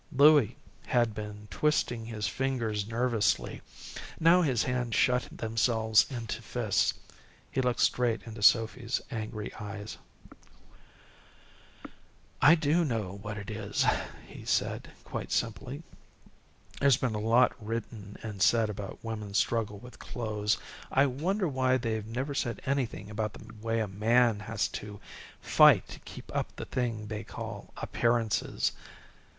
Louie had been twisting his fingers nervously. Now his hands shut themselves into fists. He looked straight into Sophy's angry eyes. "I do know what it is," he said, quite simply. "There's been a lot written and said about women's struggle with clothes. I wonder why they've never said anything about the way a man has to fight to keep up the thing they call appearances.